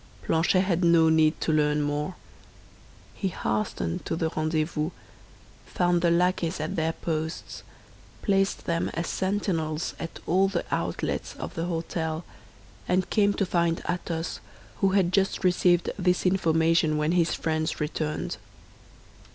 Planchet had no need to learn more. He hastened to the rendezvous, found the lackeys at their posts, placed them as sentinels at all the outlets of the hôtel, and came to find Athos, who had just received this information when his friends returned.